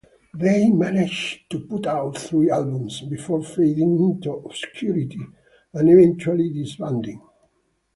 They managed to put out three albums before fading into obscurity and eventually disbanding.